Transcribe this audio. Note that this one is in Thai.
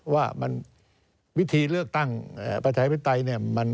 ว่าวิธีเลือกตั้งประชาธิปไตยเนี่ย